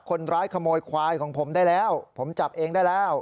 คนร้ายขโมยควายของผมได้แล้วผมจับเองได้แล้ว